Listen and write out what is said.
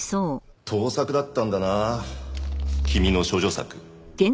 盗作だったんだな君の処女作。